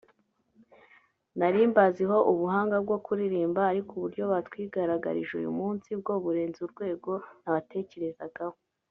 nari mbaziho ubuhanga mu kuririmba ariko uburyo batwigaragarije uyu munsi bwo burenze urwego nabatekerezagaho